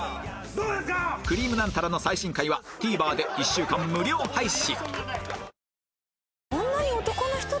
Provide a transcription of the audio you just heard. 『くりぃむナンタラ』の最新回は ＴＶｅｒ で１週間無料配信